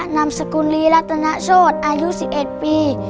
นามสกุลลีรัตนโชธอายุ๑๑ปี